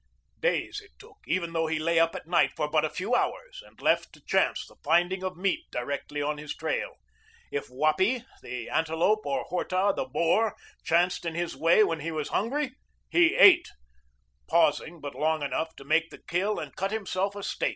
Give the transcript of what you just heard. Days it took, even though he lay up at night for but a few hours and left to chance the finding of meat directly on his trail. If Wappi, the antelope, or Horta, the boar, chanced in his way when he was hungry, he ate, pausing but long enough to make the kill and cut himself a steak.